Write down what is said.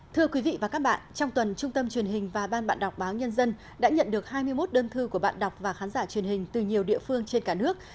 thưa quý vị và các bạn trong tuần trung tâm truyền hình và ban bạn đọc báo nhân dân đã nhận được hai mươi một đơn thư của bạn đọc và khán giả truyền hình từ nhiều địa phương trên cả nước